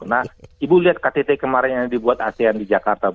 nah ibu lihat ktt kemarin yang dibuat asean di jakarta